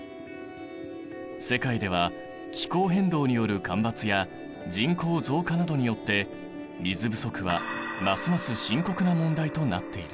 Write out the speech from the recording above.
世界では気候変動による干ばつや人口増加などによって水不足はますます深刻な問題となっている。